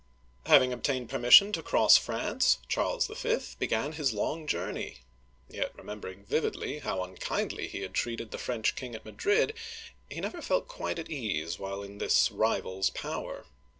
Having obtained permission to cross France, Charles V. began his long jour ney ; yet, remem bering vividly how unkindly he had treated the French king at Madrid, he never felt quite at ease while in this rival's power.